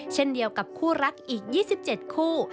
เช่นเดียวกับคู่รักอีก๒๗คู่